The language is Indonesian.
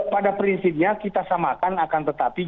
pada prinsipnya kita samakan akan tetapi